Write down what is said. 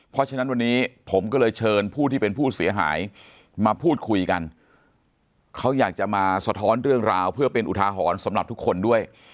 เพราะฉะนั้นวันนี้ผมก็เลยเชิญผู้ที่เป็นผู้เสียหายมาพูดคุยกันเขาอยากจะมาสะท้อนเรื่องราวเพื่อเป็นอุทาหรณ์สำหรับทุกคนด้วย